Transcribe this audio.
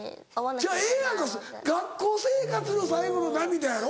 ちゃうええやんか学校生活の最後の涙やろ？